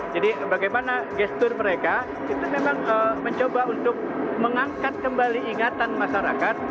jadi bagaimana gestur mereka itu memang mencoba untuk mengangkat kembali ingatan masyarakat